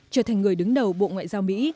trở thành người đứng đầu bộ ngoại giao mỹ